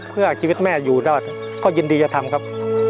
เพื่อชีวิตแม่อยู่ได้ก็ยินดีจะทำครับ